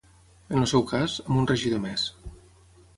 En el seu cas, amb un regidor més.